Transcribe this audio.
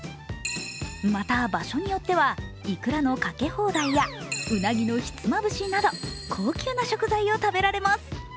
また場所によってはいくらのかけ放題やうなぎのひつまぶしなど高級な食材を食べられます。